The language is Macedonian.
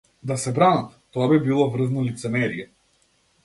Да се бранат, тоа би било врвно лицемерие.